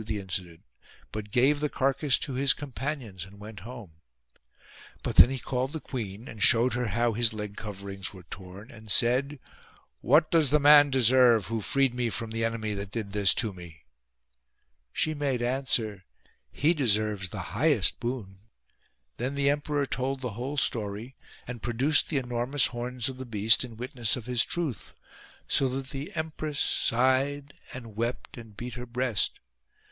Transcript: the incident ; but gave the carcass to his companions and went home. But then he called the queen and showed her how his leg coverings were torn, and said :" What does the man deserve who freed me from the enemy that did this to me ?" She made answer :" He deserves the highest boon." Then the emperor told the whole story and produced the enormoui 119 PERSIAN PRESENTS horns of the beast in witness of his truth : so that the empress sighed and wept and beat her breast.